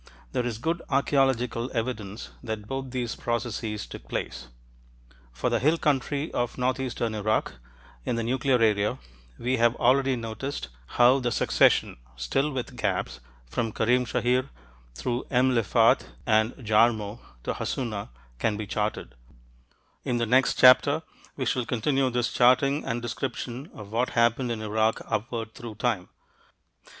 There is good archeological evidence that both these processes took place. For the hill country of northeastern Iraq, in the nuclear area, we have already noticed how the succession (still with gaps) from Karim Shahir, through M'lefaat and Jarmo, to Hassuna can be charted (see chart, p. 111). In the next chapter, we shall continue this charting and description of what happened in Iraq upward through time.